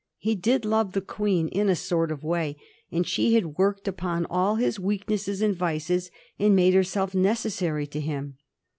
He did love the Queen in a sort of way; and she had worked upon all his weaknesses and vices and made herself necessary to him.